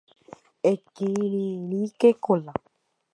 Ekirirĩke Kola